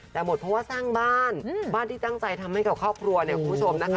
แต่หมดเพราะว่าสร้างบ้านบ้านที่ตั้งใจทำให้กับครอบครัวเนี่ยคุณผู้ชมนะคะ